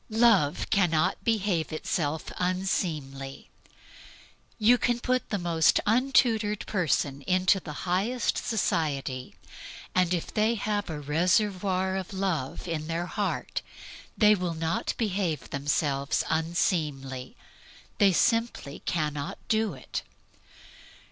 Love cannot behave itself unseemly. You can put the most untutored persons into the highest society, and if they have a reservoir of Love in their heart they will not behave themselves unseemly. They simply cannot do it.